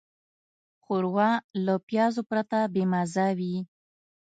ښوروا له پیازو پرته بېمزه وي.